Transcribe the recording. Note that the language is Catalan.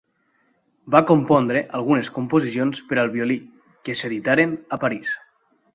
Va compondre algunes composicions per al violí, que s'editaren a París.